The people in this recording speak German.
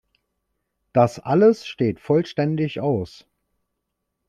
Das alles steht vollständig aus.